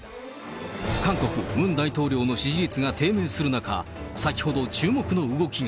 韓国、ムン大統領の支持率が低迷する中、先ほど、注目の動きが。